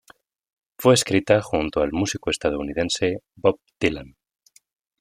Fue escrita junto al músico estadounidense Bob Dylan.